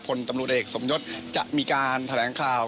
ผลตำรวจเอกสมยศจะมีการแถลงข่าว